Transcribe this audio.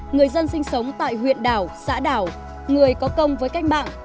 người dân sinh sống tại huyện đảo xã đảo người có công với cách mạng